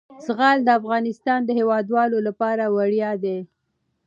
زغال د افغانستان د هیوادوالو لپاره ویاړ دی.